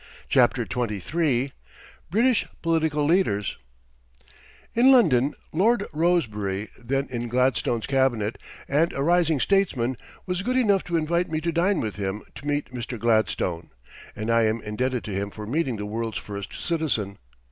CHAPTER XXIII BRITISH POLITICAL LEADERS In London, Lord Rosebery, then in Gladstone's Cabinet and a rising statesman, was good enough to invite me to dine with him to meet Mr. Gladstone, and I am indebted to him for meeting the world's first citizen.